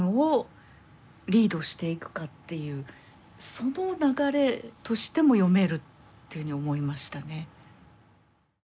その流れとしても読めるというふうに思いましたね。